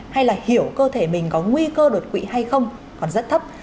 hay là hiểu cơ thể mình có nguy cơ đột quỵ hay không còn rất thấp